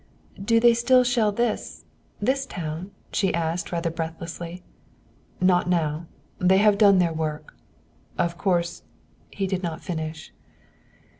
"Do they still shell this this town?" she asked, rather breathlessly. "Not now. They have done their work. Of course " he did not finish.